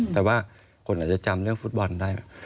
แต่ว่าคนอาจจะจำเรื่องฟุตบอลได้